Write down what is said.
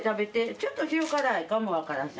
ちょっと塩辛いかも分からへん